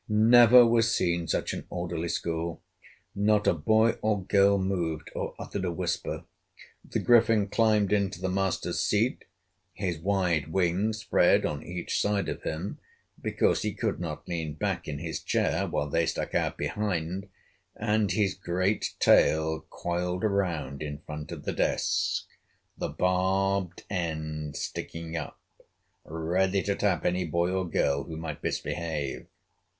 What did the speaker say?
Never was seen such an orderly school. Not a boy or girl moved, or uttered a whisper. The Griffin climbed into the master's seat, his wide wings spread on each side of him, because he could not lean back in his chair while they stuck out behind, and his great tail coiled around, in front of the desk, the barbed end sticking up, ready to tap any boy or girl who might misbehave.